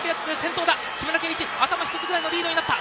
木村敬一頭一つぐらいのリードになった。